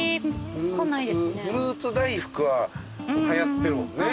フルーツ大福ははやってるもんね。